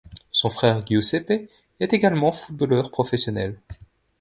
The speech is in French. Son frère Giuseppe est également footballeur professionnel.